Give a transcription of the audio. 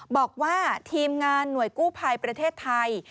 บอกว่าทีมงานหน่วยกู้ภัยประเทศไทย